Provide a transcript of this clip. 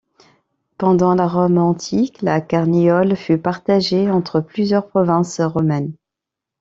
Pendant la Rome antique, la Carniole fut partagée entre plusieurs provinces romaines.